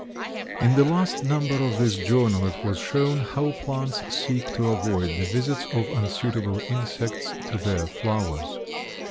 In the last number of this journal it was shown how plants seek to avoid the visits of unsuitable insects to their flowers.